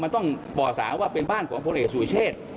ต้องบอกสารว่าเป็นบ้านของพระเอกสุริเชษฐ์